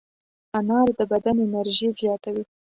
انار د بدن انرژي زیاتوي.